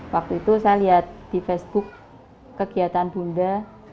waktu itu saya lihat di facebook kegiatan bunda